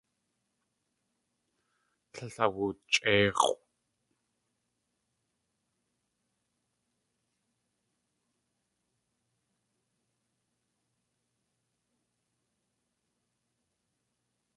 Tlél awulchʼéix̲ʼw.